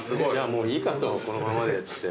もういいかとこのままでって。